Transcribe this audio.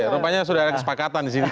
rupanya sudah ada kesepakatan di sini